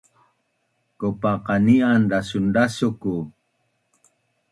Kaupa qani’an dasundasun ku